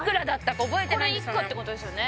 これ１個ってことですよね